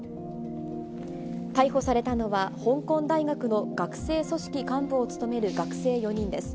逮捕されたのは、香港大学の学生組織幹部を務める学生４人です。